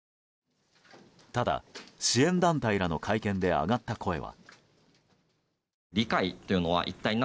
ただ、支援団体らの会見で上がった声は。